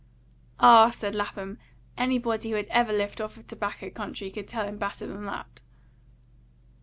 "Ah," said Lapham, "anybody who had ever lived off a tobacco country could tell him better than that."